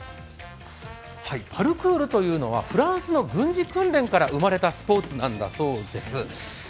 パルクールというのはフランスの軍事訓練から生まれたスポーツなんだそうです。